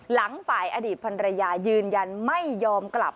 หลังฝ่ายอดีตพันรยายืนยันไม่ยอมกลับ